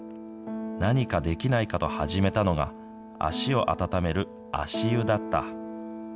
何かできないかと始めたのが、足を温める足湯だった。